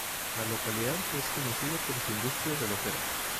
La localidad es conocida por su industria relojera.